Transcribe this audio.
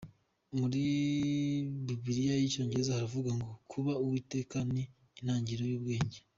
Muri Bibiliya y'icyongereza haravuga ngo" Kubaha Uwiteka ni itangiriro ry'ubwenge.